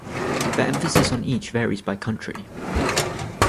The emphasis on each varies by country.